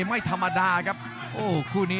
รับทราบบรรดาศักดิ์